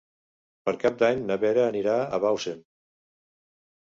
Per Cap d'Any na Vera anirà a Bausen.